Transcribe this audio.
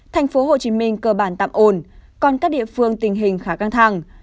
tp hcm cơ bản tạm ồn còn các địa phương tình hình khá căng thẳng